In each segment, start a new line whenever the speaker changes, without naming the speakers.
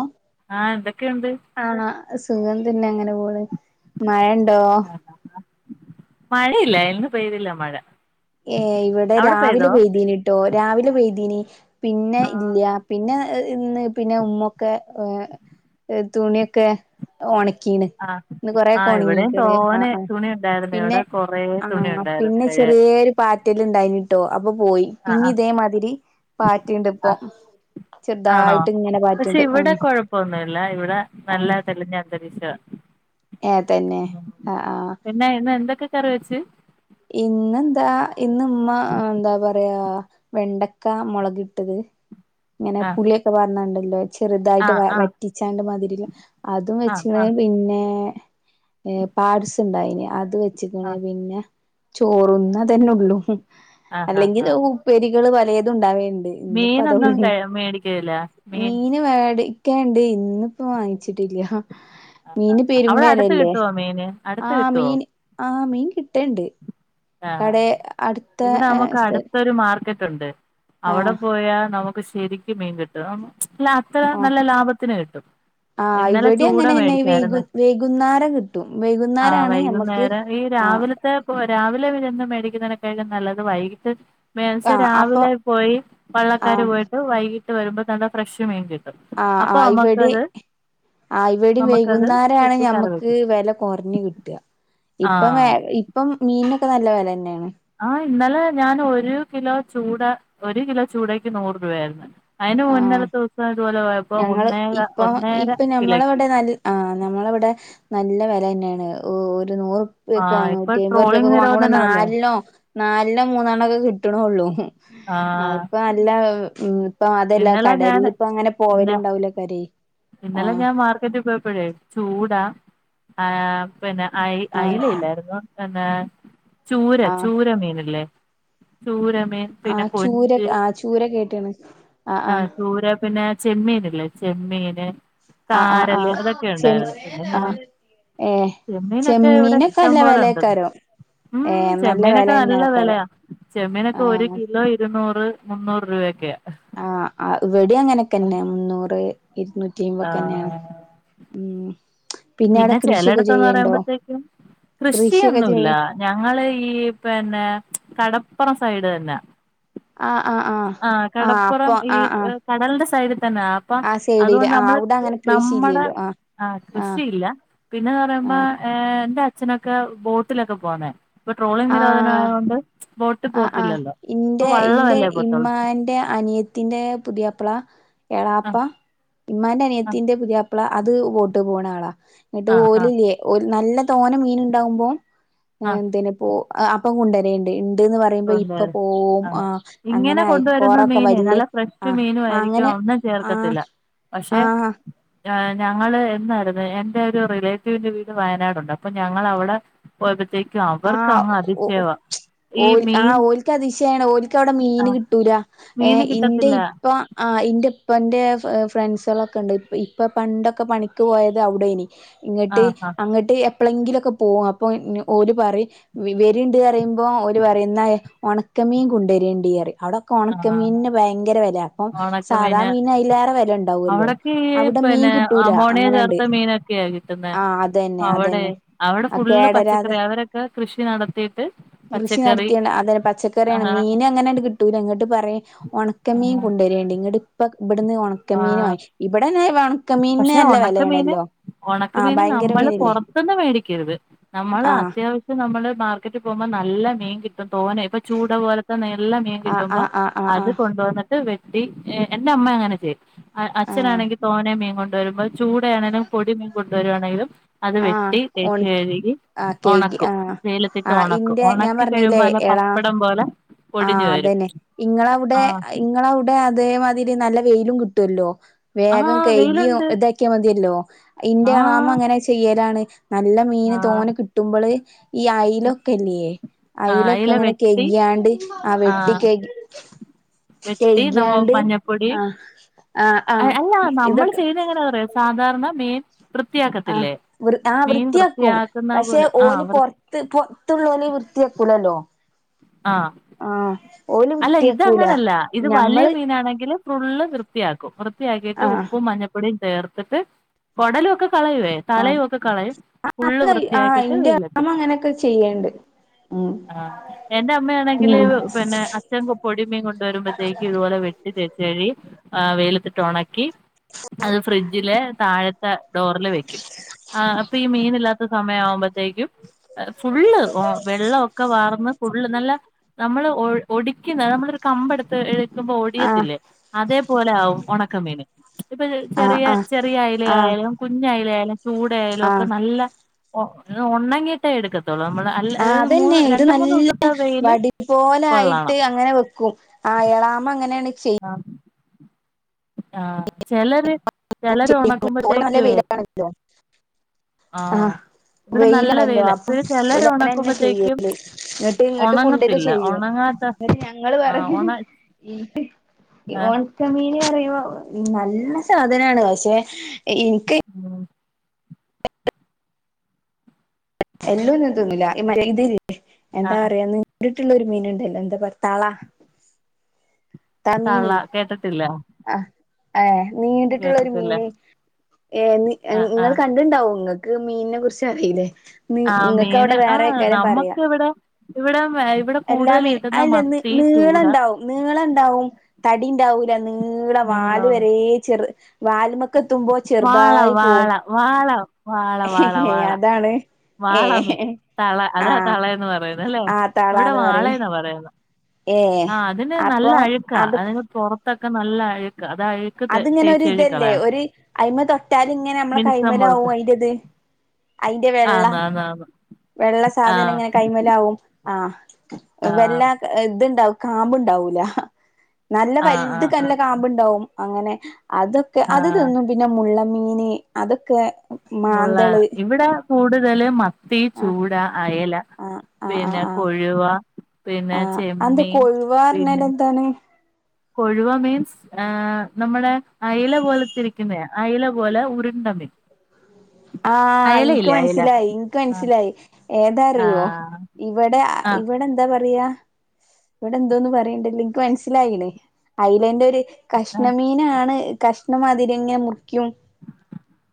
ആഹ്
ആഹ് എന്തൊക്കെയുണ്ട്?
ആണോ സുഖം തന്നെ അങ്ങനെ പോണ് മഴണ്ടോ
മഴയില്ല എന്ന് പെയ്തില്ല മഴ
ഏഹ് ഇവിടെ
അവിടെ
രാവിലെ
പെയ്തോ
പെയ്തീനിട്ടോ രാവിലെ പെയതീനി പിന്നെ
ആഹ്
ഇല്ല പിന്നെ ഇന്ന് പിന്നെ ഉമ്മൊക്കെ ഏഹ് തുണിയൊക്കെ. ഒണക്കീന്
ആഹ്
ഇന്ന് കൊറൊക്കെ
ആഹ് ഇവിടെയും
ഒണങ്ങിക്ക്ണ് ആ
തോനെ
ആ
തുണി ഉണ്ടായിരുന്നു
പിന്നെ
ഇവിടെ കൊറേ തുണി
ആഹ്
ഉണ്ടായിരുന്നു
പിന്നെ
കഴുകാൻ
ചെറീയരു പാറ്റല്ണ്ടായിനിട്ടോ അപ്പൊ പോയി
ആഹ്
പിന്നെ ഇതേമാതിരി
ആഹ്
പാറ്റ്ണ്ട്പ്പൊ
ആഹ് ആണോ പക്ഷെ ഇവിടെ കൊഴപ്പൊന്നുല്ല ഇവിടെ നല്ല തെളിഞ്ഞ അന്തരീക്ഷാ.
ഏ തന്നെ ആ ആഹ
ന്നെ ഇന്ന് എന്തൊക്കെ കറി വെച്ച്?
ഇന്നെന്താ ഇന്ന് ഇമ്മ എന്താ പറയാ. വെണ്ടക്ക മൊളക് ഇട്ടത് ഇങ്ങനെ
ആഹ്
പുളിയൊക്കെ പാർന്നണ്ടല്ലോ. ചെറുതായിട്ട്
ആഹ്
വ
ആഹ്
വറ്റിച്ചാണ്ട് മതിരില്ല അതും
ആഹ്
വെച്ച്ണ്
ആഹ്
പിന്നെ. പാട്സ്ണ്ടായിനി അത് വെച്ച്ക്ക്ണ്
ആഹ്
പിന്നെ ചോറു ന്നതന്നെഒള്ളു
ആഹ് ആഹ്
എല്ലെങ്കിൽ
ആഹ്
ഉപ്പേരികള് പലേത് ഉണ്ടാവേണ്ട്. ഇന്ന്പ്പോ അതോ
മീനൊന്നും ക
മീൻ
മേടിക്കലില്ല
മീൻ വേടി ക്കണ്ട് ഇന്ന്പ്പോ വാങ്ങിച്ചിട്ടില്ല.
ആഹ്
മീന്
ആഹ് ആഹ് അവിടെ അടുത്ത്
പെരുംവെലല്ലേ
കിട്ടുവോ മീന് അടുത്ത്
ആഹ്
കിട്ടുവോ
മീൻ ആഹ് മീൻ കിട്ടേണ്ട്
ആഹ്
കടേ അടുത്ത
ഇവിടെ നമുക്ക്
സ്ഥ
അടുത്തൊരു മാർക്ക ണ്ട് അവടെ
ആഹ്
പോയാൽ നമുക്ക് ശരിക്കും മീൻ കിട്ടും അ [unintelligible] നല്ല ലാഭ ത്തിന് കിട്ടും.
ആ
ഇന്നലെ
ഇവിടെ
ചൂട
അങ്ങനെ തന്നെ വൈകു
മേടിച്ചായിരുന്നു
വൈകുന്നാരം കിട്ടും
ആ
വൈകുന്നാരാണ് മ്മക്ക്
വൈകുന്നേരം ഈ രാവിലത്തെ പോ രാവിലെ വിരന്ന് മേടിക്കുന്ന [unintelligible] നല്ലത് വൈകിട്ട് [unintelligible]
ആഹ് അപ്പൊ
രാവിലെ പോയി വള്ളക്കാര്
ആഹ്
പോയിട്ട് വൈകീട്ട് വരുമ്പോൾ നല്ല ഫ്രഷ് മീൻ കി
ആഹ് ആഹ് ഇവടി ആ ഇവടിം
നമ്മക്കത്
വൈകുന്നേരാണ്
വെട്ടി കറി
ഞമ്മക്ക്
വെക്കും
വെല കൊർഞ്കിട്ട ഇപ്പം
ആഹ്
ഇപ്പം മീനിനൊക്കെ നല്ല വെല തന്നെയാണ്.
ആഹ് ഇന്നലെ ഞാൻ ഒരു കിലോ ചൂട ഒരു കിലോ ചൂടക്ക് നൂറ് രൂപ ആയിരുന്നു. അയിന്
ആഹ്
മുന്നര ദിവസം ഇതുപോലെ പോയപ്പോ
ഞങ്ങള്
ഒന്നേര ഒന്നേര കിലോക്കി
ആഹ് നമ്മളവ്ടെ നല്ല വെലന്നേണ് ഒരുനൂറ്
ആഹ്
[unintelligible]
ഇപ്പൊ
നൂറ്റി അയ്മ്പർപ്യക്ക
ട്രോളിംഗ്
വാങ്ങു
നിരോധനമല്ലേ
നാല്നോ നാൽന്നൊ മൂന്നെണ്ണക്കെ കിട്ട്ണൊള്ളൂ
ആഹ്
അതിപ്പോ നല്ല അതല്ല
ഇന്നലെ
കടൽ
ഞാൻ
ഇപ്പ അങ്ങനെ പോവല് ഇണ്ടാവൂലേകാരേ ആഹ്.
മാർക്കറ്റ് പോയപ്പഴെ ചൂടാ ആഹ് പിന്നെ അയ്
ആഹ്
അയ്ലയില്ലായിരുന്നു പിന്നെ ചൂര
ആഹ്
ചൂരമീനല്ലേ ചൂരമീൻ
ആ
പിന്നെ
ചൂര
കൊഞ്ച്
ആ ചൂര കേട്ടീണ്
ആഹ് ചൂര പിന്നെ ചെമ്മീ [unintelligible] ചെമ്മീന്
ആഹ് ആഹ്
കാരല് അതൊക്കെ
ആഹ് ചെ
ഉണ്ടായിരുന്നു പിന്നെ ഞാൻ.
ആഹ് ഏഹ്
ചെമ്മീനൊക്കെ ഇവിടെ
നല്ല
ഇഷ്ടംപോലെ ണ്ടത്.
വെലേക്കാരം
ഉം
ഏഹ് നല്ല വെല
ചെമ്മീനൊക്കെ
തന്നെ
നല്ല
ആക്കാരം
വെലയാ ചെമ്മീനൊക്കെ ഒരു
ആഹ്
കിലോ ഇരുന്നൂറ് മുന്നൂറ് രൂപക്കെയാ
ആ ഇവടി അങ്ങനെക്കെ തന്നെ മുന്നൂറ്, ഇരുന്നൂറ്റിയ്മ്പൊക്കെ തന്നെയാണ്.
ആഹ്
ഉം പിന്നെ അവിടെ കൃഷിയൊക്കെ
ചിലയിടത്ത്ന്ന്
ചെയ്യണ്ടോ
പറയുമ്പോഴത്തേക്കും
കൃഷിയൊക്കെ
കൃഷിയൊന്നുല്ല
ചെയ്യ
ഞങ്ങള് ഈ പിന്നെ കടപ്പുറം സൈഡ് തന്നെ
ആഹ് ആഹ് ആഹ്
ആ
ആഹ്
കടപ്പുറം
അപ്പൊ
ഈ
ആഹ് ആഹ്
ക കടൽന്റെ സൈഡിൽ തഞ്ഞാ പ്പം
ആ സൈഡില്
അതുകൊണ്ട്
ആഹ്
നമ്മള്
അവിടെ അങ്ങനെ
നമ്മടെ
കൃഷിയില്ലല്ലോ ആഹ്
ആ
ആഹ്
കൃഷിയില്ല പിന്നെന്ന് പറയുമ്പോ
ആഹ്
ഏഹ് എന്റെ അച്ഛനൊക്കെ ബോട്ടിലൊക്കെ പോന്നേ ഇപ്പോ ട്രോളിംഗ് നിരോധന
ആഹ്
ആയോണ്ട് ബോട്ടിൽ
ആഹ് ആഹ്
പോത്തില്ലല്ലോ ഇപ്പോ
ഇന്റെ
വള്ളോ അല്ലേ പോത്തളൂ
ത്തിന്റെ പുതിയപ്പള എളാപ്പ ഉമാന്റെ
ആ
അനിയത്തിണ്ട് പുതിയ പ്പള അത് വോട്ട് പോണ ആളാ എന്നിട്ട്
ആ ആ
ഓല് ഇല്ലേ ഒരു നല്ല തോന മീൻ ഉണ്ടാകുമ്പോ
ആ
എ എന്തിനിപ്പോ അപ്പ് ഇപ്പ കോണ്ടരിണ്ട് ഇണ്ട്ന്ന് പറയുമ്പോ ഇപ്പ
കൊണ്ടുവരും
പോവും
ആ
ആഹ്
ഇങ്ങനെ
അങ്ങനെ ആയി
കൊണ്ടുവരുന്ന
കൊറൊക്കെ
മീന്
വല്യേ
നല്ല ഫ്രഷ്
ആഹ്
മീനും ആയിരിക്കും
അങ്ങനെ ആ ആഹാ
എ ഞങ്ങള് എന്നാരുന്നു എന്റെ ഒരു റിലേറ്റീവിന്റെ വീട് വയനാടുണ്ട് അപ്പോ ഞങ്ങളവടെ പോയപെത്തേക്കും അവർക്ക് അങ്ങ് അതിശേവാ
ഓല് ആ ഓൽക്ക് അതിശയാണ് ഓല്ക്ക് അവ്ടെ മീന്
ആഹ്
കിട്ടൂല ഏ
മീന്
ഇന്റെ
കിട്ടത്തില്ല
ഇപ്പ ആ ഇന്റെ ഇപ്പന്റെ ഫ്ര ആ ഫ്രണ്ട്സുകളൊക്കെ ഇണ്ട് ഇ ഇപ്പ പണ്ടൊക്കെ പണിക്ക് പോയത് അവ്ടെ യ്നി ഇങ്ങട്ട്
ആഹ് ആഹ്
അങ്ങട്ട് എപ്പളങ്കിലൊക്കെ പോവും അപ്പോ ന് ഓല് വറിം വെ വെരിണ്ട് അറയുമ്പോ ആ ഓരു പറയും ന്നാ ഒണക്കമീൻ കൊണ്ടരേണ്ടീ അറിം അവടോ കൊണക്ക്
ആഹ്
മീനിന് ഭയങ്കര വെലാ അപ്പം സാധാ മീനിന് അതിലേറെ വെല ഉണ്ടാവല്ലോ
ക് പിന്നെ അമോണിയ ചേർത്ത മീനൊക്കെയാ കിട്ടുന്ന
ആഹ് അതന്നെ
അവടേ
അതന്നെ
അവടെ
ആഹ്
ഫുള്ള്
കേടരാതെ
പച്ചക്കറി അവരെ ക്കെ കൃഷി ന
കൃഷി നടത്തിയാണ് അതെ പച്ചക്കറിയാണ്
ആഹ്
മീൻ അങ്ങനെങ്ട്ട് കിട്ട് ട്ടൂല ഇങ്ങട്ട് പറയും ഒണക്കമീൻ
ആഹ്
കൊണ്ടുവരേണ്ടി ഇങ്ങട്ട് ഇപ്പ ഇവട്ന്ന് ഒണ ക്കമീനോ
ആഹ്
ഇവടെന്നെ ഒണക്കമീൻന് നല്ല വെലേണല്ലോ
ഒണക്ക മീന് നമ്മള് പൊറത്ത്ന്ന് മേടിക്കരുത്. നമ്മള്
ആഹ്
അത്യാവ ക്ക് നമ്മള് മാർക്കറ്റിൽ പോവുമ്പോ നല്ല മീൻ കിട്ടും തോനെ ഇപ്പ ചൂട പോലത്തെ നെല്ല മീൻ
ആഹ്
കിട്ടുമ്പോ
ആഹ് ആഹ് ആഹ്
അത്
ആഹ്
കൊണ്ടുവന്നിട്ട് വെ ട്ടി എ എന്റെ അമ്മ അങ്ങനെ ചെ അ
ആഹ്
അച്ഛനാണെങ്കി തോനെ മീൻ കൊണ്ടുവരുമ്പോ ചൂടയാണെങ്കിലും പൊടിമീൻ കൊണ്ടുവരുവാണെങ്കിലും അത്
ആഹ്
വെട്ടി
ഒണ
തേച്ച് കഴുകി
ആഹ് കേകി
ഒണക്കും
ആഹ്
വെയിലത്തിട്ട്
ആഹ്
ഒണക്കും
ഇന്റെ ഞാൻ
ഒണക്കി കഴിയുമ്പോ നല്ല പപ്പട ടം പോലെ
ആ
പൊടിഞ്ഞു വരും
അതന്നെ ഇങ്ങളൗടെ
ആഹ്
ഇങ്ങളൗടെ അതേമാതിരി നല്ല വെയിലും കിട്ടല്ലോ വേഗം
ആഹ്
കെയ്കി
വെയിലുണ്ട്
ഇതാക്കിയാ മതിയല്ലോ ഇന്റെ
ആഹ്
എളാമ്മങ്ങനെ ചെയ്യലാണ് നല്ല മീന്
ആഹ്
തോനേ കിട്ടുമ്പോള് ഈ അയിലൊക്കെയില്ലേ അയിലൊക്കെ
അയില
ഇങ്ങനെ
വെട്ടി
കെയ്കിയാണ്ട് ആ വെട്ടി
ആഹ്
കെയ്കി
വെട്ടി നമ്മ
കെയ്കിയാണ്ട്
മഞ്ഞപൊടി
ആഹ് ആഹ്
എ
ആഹ്
അല്ല നമ്മൾ
ഇതൊക്കെ
ചെയ്ത എങ്ങനെയന്ന് അറിയോ സാധാരണ മീൻ
ആഹ്
വൃത്തിയാക്കത്തില്ലേ
വൃ ആഹ്
മീൻ വൃത്തിയാക്കുന്ന പോലെ ആഹ് വൃ
ത് [unintelligible] വൃത്തിയാക്കൂലല്ലോ
ആഹ്
ആഹ് ഓല്
അല്ല
വൃത്തിയാക്കൂല
ഇതങ്ങനെല്ല ഇത് വലിയ
ഞമ്മള്
മീനാണെങ്കില് ഫുള്ള് വൃത്തിയാക്കും വൃത്തിയാക്കിയിട്ട്
ആഹ്
ഉപ്പും മഞ്ഞ പൊടിം ചേർത്തിട്ട് കൊടലൊക്കെ കളയുവേ
ആഹ്
തലേയും ഒക്കെ കളയും
ആ
ഉള്ള്
അത് ആ
വൃത്തിയാക്കിട്ട്
ഇന്റെ അമ്മ
വെയിലെത്തിടും
അങ്ങനെയൊക്കെ ചെയ്യണ്ട് ഉം
ആ എന്റെ അമ്മയാണെങ്കില്
ഉം
പിന്നെ അ ച്ഛൻ പൊടിമീൻ കൊണ്ടുവരുമ്പത്തേക്ക് ഇതുപോലെ വെട്ടി തേച്ച് കഴുകി ആ വെയിലത്തിട്ട് ഒണ ക്കി അത് ഫ്രിഡ്ജിലെ താഴെ ത്തെ ഡോറില് വെക്കും അ അപ്പോ ഈ മീനില്ലാത്ത സമയം ആവുമ്പോഴത്തേക്കും ഫുള്ള് ഓ വെള്ളോക്കെ വാർന്ന് ഫുള്ള് നല്ല നമ്മള് ഒ ഒടിക്കുന്ന നമ്മളൊരു കമ്പ് എടുത്ത് എ ടുക്കുമ്പോ
ആ
ഒടിയത്തില്ലേ അതേപോലെ ആകും ഒണക്കമീന് ഇപ്പൊ
ആ
ചെറിയ
ആ
ചെറിയ അായല
ആ
ആയാലും കുഞ്ഞ് അയല ആയാലും ചൂട ആയാലും
ആ
ഒക്കെ നല്ല ഒണ്ണങ്ങേട്ടേ എടുക്കത്തോുള്ളൂ നമ്മള് അല്ല
ആ
മൂന്ന്
അതന്നെ ഇത്
രണ്ട മൂന്ന്
നല്ല
ദിവസത്തെ വെയില്
വടി പോലെ ആയിട്ട്
കൊള്ളണം
അങ്ങനെ വെക്കും അയളാമ അങ്ങനെയാണ് ചെയ്യ
ആഹ് ആഹ ചിലര് ചിലർ
ഓല് നല്ല
ഉണക്കുമ്പോത്തേക്കേ
വെയിലാണല്ലോ ആ
ആഹ
വെയിലാണല്ലോ അപ്പം ഉലനന്നെ
ഒണക്കുമ്പത്തേക്കും
ചെയ്യല്ലേ എന്നങ്ങിട്ട് ഇങ്ങോട്ട് കൊണ്ടട്ട
ഒണങ്ങത്തില്ല
ചെയ്യും
ഒണങ്ങാത്ത
ഞങ്ങള്
ആ
പറയ
ഓണ ആ
ഈഓൺ ചെമീന് പറയുമ്പോ നല്ല സാധനാണ് പക്ഷെ എനിക്ക്
ഉ [inaudible]
എല്ലോന്ന തിന്നുന്നില്ലല്ലേ
ആ
എന്താ പറയ നീടുറ്റുള്ള ഒരു മീൻ ഉണ്ടല്ലോ എന്താ പറ തള
തള്ള
തളമീന്
കേട്ടിട്ടില്ല
ആഹ് ഏഹ് നീണ്ടിട്ടുള്ള ഒരു
കേട്ടിട്ടില്ല
മീന് ഏഹ്
ആ ആ
നിങ്ങൾ കണ്ട അത്ണ്ടാവും നിങ്ങക്ക് മീനിനെ കുറിച്ച് അറിയില്ലേ നി
ആ
നിങ്ങൾക്ക്
മീന്
അവിടെ
ആ
വേറെക്കാരം
നമ്മക്ക്
പറയാം
ഇവിടെ ഇവിടെ ഇവിടെ
എല്ലാ
കൂടുതൽ കിട്ടുന്ന
അല്ല ന
മത്തി
നീള
ചൂട
ഉണ്ടാവും നീളുണ്ടാവും തടി ഉണ്ടാവൂല നീ നീളവാല്
നീളോള്ള
വരെ വാല്മക്കെ എത്തുമ്പോ
വാള
ചെറുതായി പോകും
വാള വാള വാള വാള വാള
താണ്
വാള മീ തള അതാ തളന്ന് പറയുന്നു അല്ലേ
ആ
ഇവിടെ
തളാന്ന് പറയണ്
വാളയന്നാ പറയുന്നത്
ഏ
ആഹ് അതിന് നല്ല
അപ്പം
അഴുക്ക
അത്
അതിന് പുറത്തൊക്കെ നല്ല അഴുക്ക അതായ
അതിങ്ങനെ ഒ ഒരു ഇതല്ലേ ഒരു അയിമ തൊട്ടാല് ഇങ്ങനെ നമ്മളെ
മിനുസം
കൈമല് ആവും അയിടത്
ആ ആ
വെള്ള സാധനങ്ങനെ കൈമലാവും ആഹ്
ആ
ഇത്ണ്ടാവും കാമ്പ് ഉണ്ടാവൂല നല്ല
ആ ആ
വലുത്
ആ
നല്ല കാമ്പ് ഉണ്ടാവും അങ്ങനെ അതൊക്കെ അത്
ആ
തിന്നും പിന്നെ മുള്ളൻ മീന് അതൊക്കെ
മുള്ള
മാന്തള്
ഇവിടെ കൂടുതല് മാ ത്തി
ആഹ്
ചൂട അയല
ആഹ് ആഹ് ആഹ്
പിന്നെ
ആഹ്
കൊഴുവ പിന്നെ ചെമ്മീൻ പിന്നെ
തന്നെ
കൊഴുവ മീൻ ആഹ് നമ്മുടെ അയല പോലെത്തിരിക്കുന്ന അയല പോലെ ഉരുണ്ടമീൻ
ആഹ് ഇനിക്ക്
അയല
മനസ്സിലായി ഇനിക്ക്
ആഹ്
മനസ്സിലായി ഏതാ അറിയോ
ആഹ്
ഇവിടെ ഇവിടെ എന്താ പറയാ ഇവിടെ എന്തോന്ന് പറയണ്ടല്ലോ എനിക്ക് മനസ്സിലായില്ലേ അയിലേടരു
ആഹ്
കഷ്ണമീനാണ് കഷ്ണംമാതിരിങ്ങനെ മുറിക്കും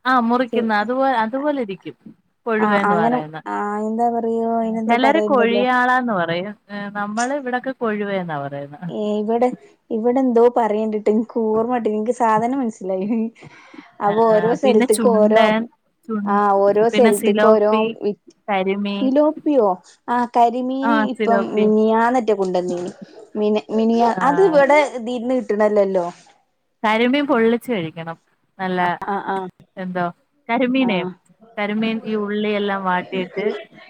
ആഹ് മുറിക്കും അത്പോ അതുപോലെ ഇരിക്കും
ആ
കൊഴുവന്ന്
അങ്ങനെ
പറയുന്ന
ആ എന്താ പറയോ അയിനെന്തോ
ചിലര്
പറയണ്ടല്ലോ
കൊഴിയാളാന്ന് പറയും നമ്മള് ഇവിടെൊക്കെ കൊഴുവേ എന്നാ പറയുന്നത്
ഏ ഇവിടെ ഇവിടെ എന്തോ പറയേണ്ടട്ട്നക്ക് ഓർമട്ടിനില്ല എനിക്ക് സാധനം മനസ്സിലായി അപ്പൊ ഓരോ
ആഹ് പിന്നെ
സ്ഥലത്ക് ഓരോ
ചുണ്ടൻ ചു
ആ ഓരോ
പിന്നെ
സ്ഥലത്ക് ഓരോ
സിലോപ്പി കരിമീൻ
സിലോപ്പിയോ ആ കരിമീന്
ആഹ്
ഇപ്പം
സിലോപ്പി
മിനിയാനെറ്റ് കൊണ്ടന്നീന് മിനിയാ അത്
ആഹ്
ഇവിടെ തീന്ന് കിട്ടണല്ലല്ലോ
കരിമീൻ പൊള്ളിച്ചു കഴിക്കണം നല്ല
ആ ആ
എന്തോ കരിമീനേ
ആ
കരിമീൻ ഈ ഉള്ളിയെല്ലാം വാട്ടിയിട്ട്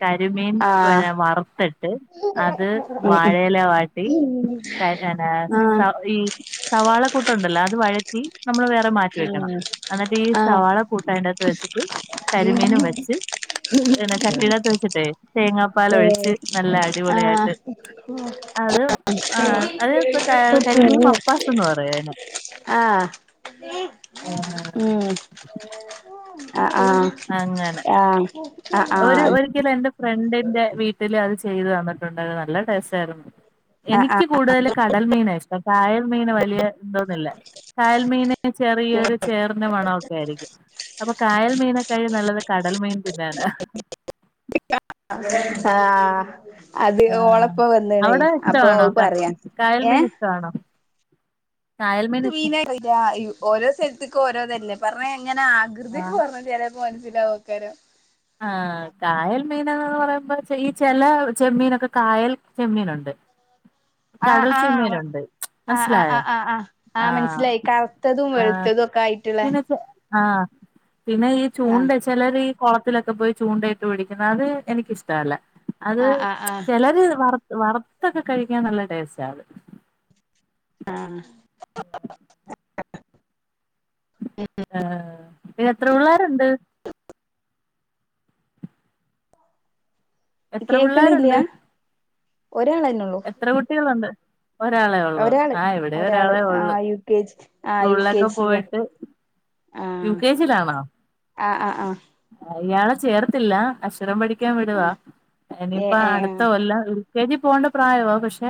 കരിമീൻ
ആഹ്
വറുത്തിട്ട് അത്
ഉം ഉം
വാഴയിലെ വാട്ടി സ
ആഹ്
ഈ [unintelligible] സവാള കൂട്ടം ഉണ്ടല്ലോ അത് വഴറ്റി നമ്മള് വേറെ മാറ്റി വെക്കണം എന്നിട്ട് ഈ
ആഹ്
സവാള കൂട്ട് അതിന്നത് വെച്ചിട്ട് കരിമീനും വെച്ചു. പിന്നെ ചട്ടിടത്ത് വെച്ചിട്ടെ തേങ്ങാപ്പാല
ഏഹ്
ഒഴിച്ച് നല്ല
ആഹ് ആഹ്
അടിപൊളിയായിട്ട് അത് ആ അത് ഇപ്പ
ഉം
കരിമീൻ മപ്പാസ് എന്ന് പറയും. അതിനെ
ആഹ മം ആഹ ആ ആഹ ആൽ
ഒരിക്കൽ എന്റെ ഫ്രണ്ടിന്റെ വീട്ടില് അത് ചെയ്ത് തന്നിട്ടുണ്ടായിത് നല്ല ടേസ്റ്റ് ആയിരുന്നു എനിക്ക്
ആഹ്
കൂടുതൽ കടൽ മീന ഇഷ്ടം കായൽ മീന വലിയ എന്തോന്നില്ല കയൽമീൻ ചെറിയൊരു ചേറിന്റെ മണം ആരിക്കും. അപ്പൊ കായൽ മീനൊക്കെഴ നല്ലത് കടൽ മീൻ തിന്നാന.
ആഹ അത്
ആഹ്
ഓളപ്പ വന്നേണേ
അവിടെ
അപ്പൊ അപ്പോ പറയാ ഏ
ആണോ?
മീന [unintelligible] ഓരോ സ്ഥലത്തേക്കും ഓരോ തന്നെ പറഞ്ഞ എങ്ങനെ ആകൃതിയൊക്കെ
ആഹ്
പറഞ്ഞ പ്പൊമനസ്സിലാവും [unintelligible]
ആഹ്കായൽ മീനന്ന് പറയുമ്പോ ഈ ചില ചെമ്മീനൊക്കെ കായൽ ചെമ്മീനുണ്ട്
ആഹ്
കടൽ
ആഹ്
ചെമ്മീനുണ്ട്
ആഹ്
മനസ്സിലായോ
ആഹ് ആഹ് ആഹ് ആ
ആഹ്
മനസ്സിലായി കറുത്തതും വെളുത്തതും ഒക്കെ ആയിട്ടു ള്ളെ
ആഹ് പിന്നെ ഈ ചൂണ്ട
ആഹ്
ചിലര് കുള ത്തിലൊക്കെ പോയി ചൂണ്ടയിട്ട് പിടിക്കുന്ന അത് എനിക്കിഷ്ടമല്ല അത്
ആഹ് ആഹ് ആഹ്
ചിലര് വർ വറുത്തൊക്കെ കഴിക്കാൻ നല്ല ടേസ്റ്റ് ആള്.
ആഹ
ആ പിന്ന എത്ര പിള്ളരുണ്ട് എത്ര
കേക്കണില്ല
പിള്ളേരുണ്ട്
ഒരാളതിനുള്ളൂ
എത്ര കുട്ടികളുണ്ട് ഒരാളെ ഉള്ളു
ഒരാള്
ആഹ് ഇവിടെ
ഒരാള്
ഒരാളെ
ആ
ഉള്ളു
യു കെ ജി ആ യു കെ
സ്കൂളിലൊക്കെ
ജിയില
പോയിട്ട്
ആ
യു കെ ജിലാണോ?
ആ ആ ആ
ഇയാളെ ചേർത്തില്ല അക്ഷരം പഠിക്കാൻ
ആ
വിടുവാ
ഏ
ഇനിയിപ്പ
ഏ
അടുത്ത
ആ
കൊല്ലം കെ ജി പോകേണ്ട പ്രായമാണ് പക്ഷെ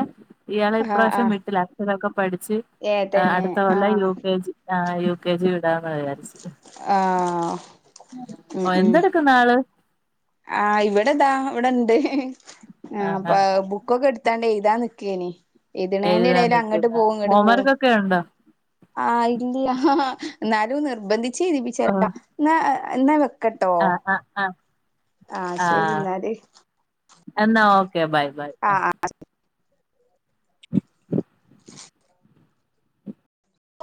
ഇയാളെ
ആ ആ
ഇപ്രാവശ്യം വിട്ടില്ല അക്ഷരൊക്കെ പഠിച്ച്
ഏ തന്നെ
അടുത്ത
ആ
കൊല്ല യു കെ ജി ആ യു കെ ജി വിടാന്ന് വിചാരിച്ചു.
ആഹ്
ഓ എന്തെടക്കണ് ആള്
ആ് ഇവിടെതാ ഇവിടെണ്ട് ആ അപ്പ
ആഹാ
ബു- ബുക്കൊക്കെ എടുത്താണ്ട് എഴുതാ നിക്കേനി എഴുതിണേന്റെ
എഴുതാൻ
അങ്ങോട്ട്
നിൽക്കുന്ന
പോവും ഇങ്ങോട്ട് പോവും
ഹോംവർക്കൊക്കെ ഉണ്ടോ
ആഹ് ഇല്ലയ എന്നാലും നിർബന്ധിച്ച് എഴുതിപ്പിച്ച എന്ന എന്നാ വെ
ആഹ് ആഹ് ആ
ആഹ
ആ
ശരി എന്നാല്.
എന്നാ ഓക്കെ ബൈ ബൈ
ആ